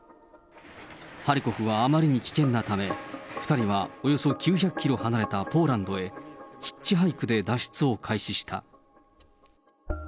ハリコフはあまりに危険なため、２人はおよそ９００キロ離れたポーランドへ、ヒッチハイクで脱出を開始した。